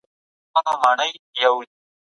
سوسیالستي مفکوره د فردي ملکیت مخالفه ده.